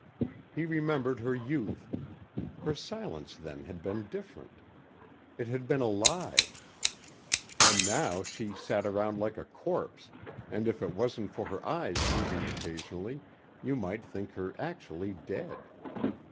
He remembered her youth. Her silence then had been different. It had been alive. And now she sat around like a corpse and if it wasn't for her eyes moving occasionally you might think her actually dead.